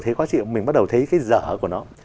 thấy quá chịu mình bắt đầu thấy cái dở của nó